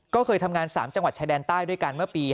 ก็เคยทำงาน๓จังหวัดชายแดนใต้ด้วยกันเมื่อปี๕